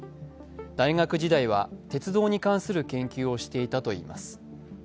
大学時代は鉄道に関する研究をしていたといいます。